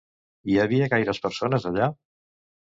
Hi havia gaires persones allà?